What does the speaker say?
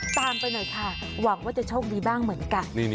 ไปหน่อยค่ะหวังว่าจะโชคดีบ้างเหมือนกัน